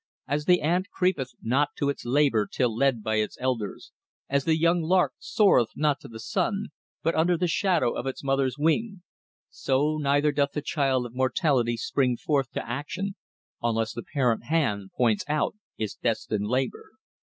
As the ant creepeth not to its labour till led by its elders; as the young lark soareth not to the sun, but under the shadow of its mother's wing, so neither doth the child of mortality spring forth to action unless the parent hand points out its destined labour.